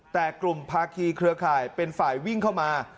แต่กลุ่มภาคีเครือข่ายเป็นฝ่ายวิ่งเข้ามา